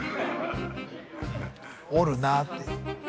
折るなって。